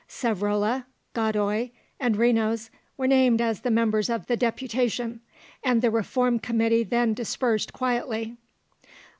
Savrola, Godoy, and Renos were named as the members of the deputation, and the Reform Committee then dispersed quietly.